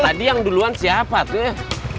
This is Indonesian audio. tadi yang duluan siapa tuh ya